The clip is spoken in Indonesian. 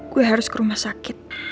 gue harus ke rumah sakit